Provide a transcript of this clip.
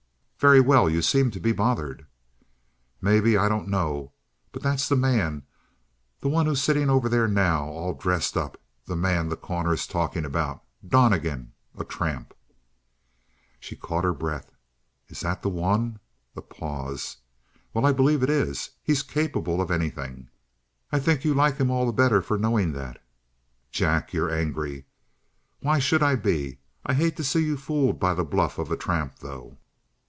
"Very well. You seemed to be bothered." "Maybe. I dunno. But that's the man the one who's sitting over there now all dressed up the man The Corner is talking about Donnegan! A tramp!" She caught her breath. "Is that the one?" A pause. "Well, I believe it. He's capable of anything!" "I think you like him all the better for knowing that." "Jack, you're angry." "Why should I be? I hate to see you fooled by the bluff of a tramp, though."